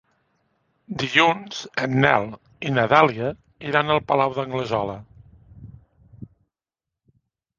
Dilluns en Nel i na Dàlia iran al Palau d'Anglesola.